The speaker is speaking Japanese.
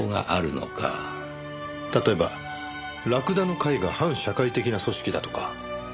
例えばらくだの会が反社会的な組織だとか？